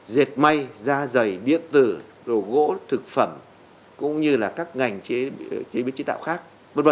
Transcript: dẹp may da dày điện tử rổ gỗ thực phẩm cũng như các ngành chế biến chế tạo khác